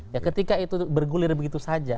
ya ketika itu bergulir begitu saja